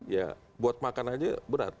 ya buat makan aja berat